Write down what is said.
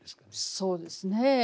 そうですね